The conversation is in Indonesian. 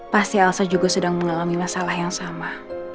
pasti alsa juga sedang mengalami masalah yang sama